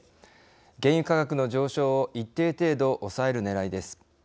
原油価格の上昇を一定程度抑えるねらいです。